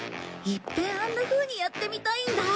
いっぺんあんなふうにやってみたいんだ。